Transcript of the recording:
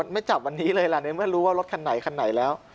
ไม่จับวันนี้เลยล่ะในเมื่อรู้ว่ารถคันไหนคันไหนแล้ว